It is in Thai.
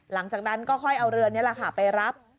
หลังจากนั้นก็ค่อยเอาเรือนี้แหละค่ะไปรับ